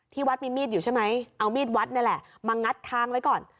วัดมีมีดอยู่ใช่ไหมเอามีดวัดนี่แหละมางัดค้างไว้ก่อน